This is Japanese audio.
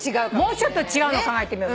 もうちょっと違うの考えてみよう。